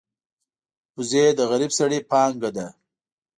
وزې د غریب سړي پانګه ده